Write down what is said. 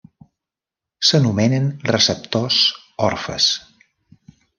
S'anomenen receptors orfes.